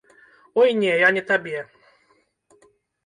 Ой, не, я не табе.